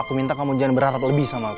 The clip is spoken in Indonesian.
aku minta kamu jangan berharap lebih sama aku